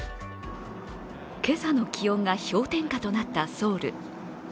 今朝の気温が氷点下となったソウル。